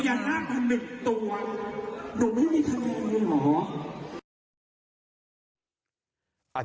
ขยันห้านพันหนึ่งตัวหนูไม่มีคะแนนเหรอ